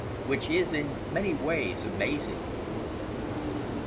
WHICH IS IN MANY WAYS AMAZING.